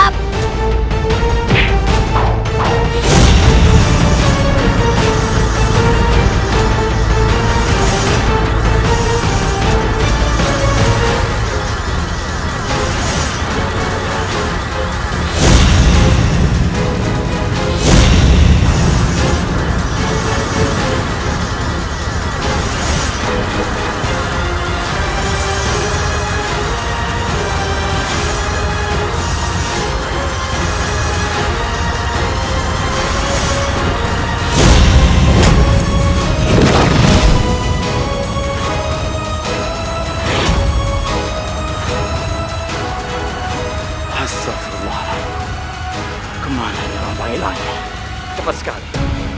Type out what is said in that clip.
tidak tuhan tidak mau